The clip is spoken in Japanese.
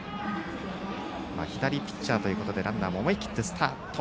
左ピッチャーということでランナーも思い切ってスタート。